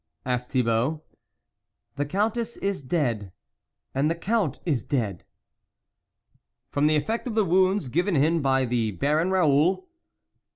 " asked Thibault. " The Countess is dead, and the Count is dead." " From the effect of the wounds given him by the Baron Raoul